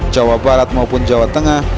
jawa barat maupun jawa tengah